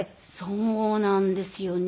そうなんですよね。